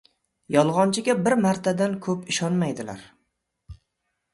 • Yolg‘onchiga bir martadan ko‘p ishonmaydilar.